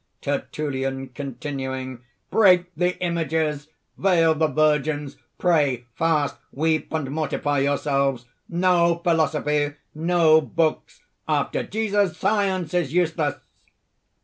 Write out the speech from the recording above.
TERTULLIAN (continuing): "Break the images! veil the virgins! Pray, fast, weep and mortify yourselves! No philosophy! no books! After Jesus, science is useless!"